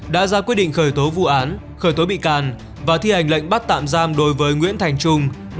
đã ra quyết định khởi tố vụ án khởi tố bị can và thi hành lệnh bắt tạm giam đối với nguyễn thành trung